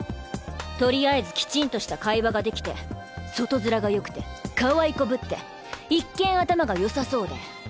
とりあえずキチンとした会話ができて外面が良くて可愛い子ぶって一見頭が良さそうで。